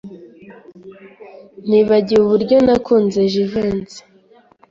Nibagiwe uburyo nakunze Jivency.